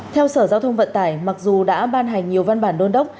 theo sở giao thông vận tải mặc dù đã ban hành nhiều văn bản đôn đốc